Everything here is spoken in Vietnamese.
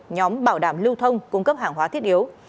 nhóm bảo đảm lưu thông cung cấp hàng hóa thiết yếu